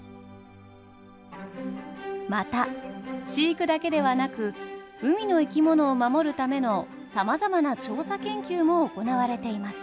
また飼育だけではなく海の生き物を守るためのさまざまな調査研究も行われています。